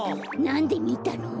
なんでみたの？